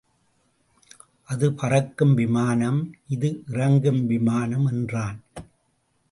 அது பறக்கும் விமானம் இது இறங்கும் விமானம் என்றான்.